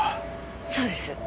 そうです。